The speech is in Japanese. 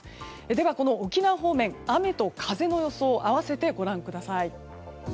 では、この沖縄方面雨と風の予想を併せてご覧ください。